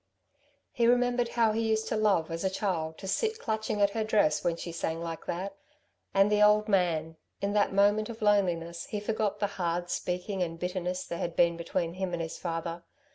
He remembered how he used to love as a child to sit clutching at her dress when she sang like that. And the old man! In that moment of loneliness he forgot the hard speaking and bitterness there had been between him and his father.